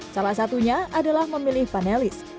salah satunya adalah memilih panelis